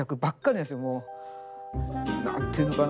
何て言うのかな